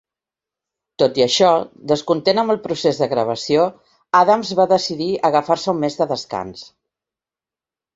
Tot i això, descontent amb el procés de gravació, Adams va decidir agafar-se un mes de descans.